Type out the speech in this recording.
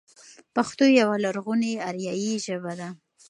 پښتو يوه لرغونې آريايي ژبه ده.